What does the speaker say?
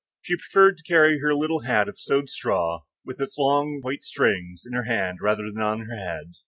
She preferred to carry her little hat of sewed straw, with its long white strings, in her hand rather than on her head.